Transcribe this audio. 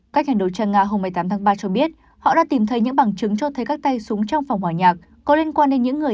các nhà đấu tranh nga hôm một mươi tám tháng ba cho biết họ đã tìm thấy những bằng chứng cho thấy các tay súng trong phòng hòa nhạc có liên quan đến những người